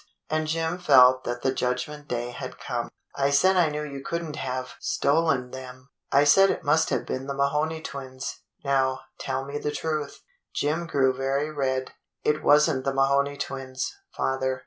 And Jim felt that the Judgment Day had come. "I said I knew you could n't have stolen them. I said it must have been the Mahoney twins. Now, tell me the truth." Jim grew very red. " It was n't the Mahoney twins, father.